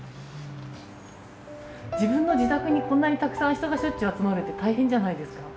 自分の自宅にこんなにたくさん人がしょっちゅう集まるって大変じゃないですか？